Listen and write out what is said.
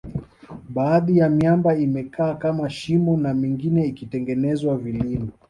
baadhi ya miamba imekaa kama shimo na mingine ikitengeneza vilima